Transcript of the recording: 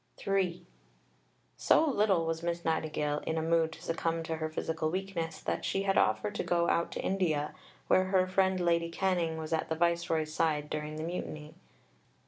III So little was Miss Nightingale in a mood to succumb to her physical weakness, that she had offered to go out to India, where her friend Lady Canning was at the Viceroy's side during the Mutiny.